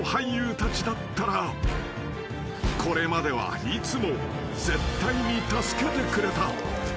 ［これまではいつも絶対に助けてくれた］